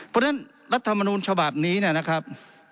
เพราะฉะนั้นรัฐมนูลฉบับนี้นะครับ